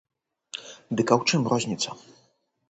Дык а ў чым розніца?